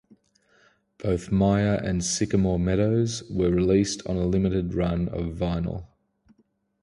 Both "Maya" and "Sycamore Meadows" were released on a limited run of vinyl.